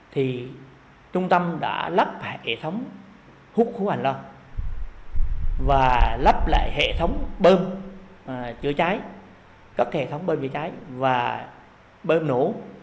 thì trung tâm đã lắp hệ thống hút khu hoành loan và lắp lại hệ thống bơm chở cháy các hệ thống bơm chở cháy và bơm nổ